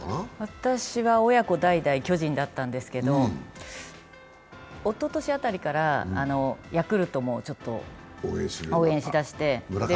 私は親子代々巨人だったんですけど、おととし辺りからヤクルトもちょっと応援しだして。